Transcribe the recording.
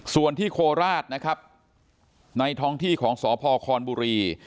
ส่วนที่โคลราชในท้องที่ของสพควรบุรี